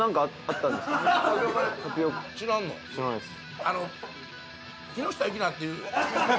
知らないっす。